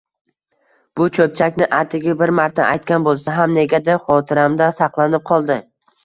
Bu cho‘pchakni atigi bir marta aytgan bo‘lsa ham negadir xotiramda saqlanib qoldi.